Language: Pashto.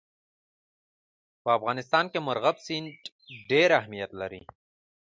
په افغانستان کې مورغاب سیند ډېر اهمیت لري.